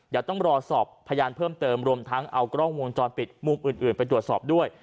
เดี๋ยวต้องรอสอบพยานเพิ่มเติมรวมทั้งเอากล้องวงจรปิดมุมอื่นไปตรวจสอบด้วย